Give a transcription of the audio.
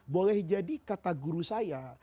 boleh jadi kata guru saya